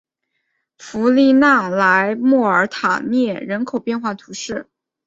弗利讷莱莫尔塔涅人口变化图示